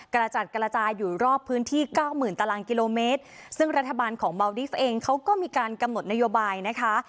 กระจัดกระจายอยู่รอบพื้นที่เก้าหมื่นตารางกิโลเมตรซึ่งรัฐบาลของเบาดิฟต์เองเขาก็มีการกำหนดนโยบายนะคะ